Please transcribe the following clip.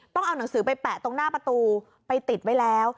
ต้องเอาหนังสือไปแปะตรงหน้าประตูไปติดไว้แล้ว